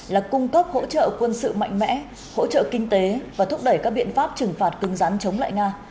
là cung cấp hỗ trợ quân sự mạnh mẽ hỗ trợ kinh tế và thúc đẩy các biện pháp trừng phạt cứng rắn chống lại nga